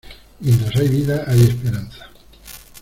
Mientras hay vida hay esperanza.